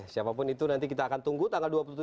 siapapun itu nanti kita akan tunggu tanggal dua puluh tujuh